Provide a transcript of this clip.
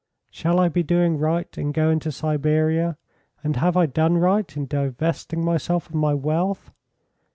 "Shall I be doing right in going to Siberia? And have I done right in divesting myself of my wealth?"